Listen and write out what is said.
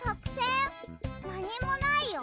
なにもないよ。